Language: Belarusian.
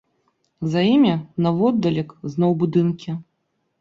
За імі, наводдалек, зноў будынкі.